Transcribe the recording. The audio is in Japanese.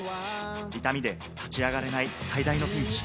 痛みで立ち上がれない最大のピンチ。